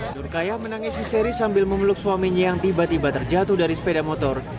nurkayah menangis histeri sambil memeluk suaminya yang tiba tiba terjatuh dari sepeda motor